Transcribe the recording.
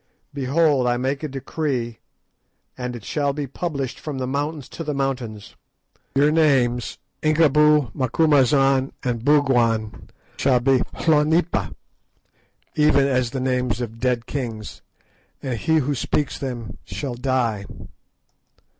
Behold! I make a decree, and it shall be published from the mountains to the mountains; your names, Incubu, Macumazahn, and Bougwan, shall be "hlonipa" even as the names of dead kings, and he who speaks them shall die.